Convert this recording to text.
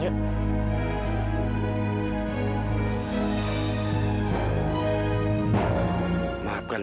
nenek apa kabar